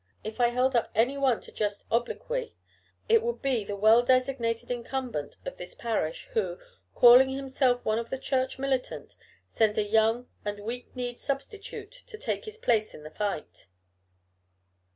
If I held up any one to just obloquy, it would be the well designated Incumbent of this parish, who, calling himself one of the Church militant, sends a young and weak kneed substitute to take his place in the fight."